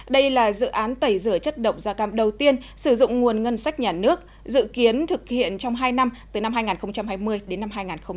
đây là dự án tẩy rửa chất độc da cam đầu tiên sử dụng nguồn ngân sách nhà nước dự kiến thực hiện trong hai năm từ năm hai nghìn hai mươi đến năm hai nghìn hai mươi một